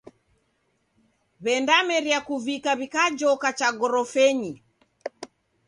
W'endameria kuvika, w'ikajoka cha gorofenyi.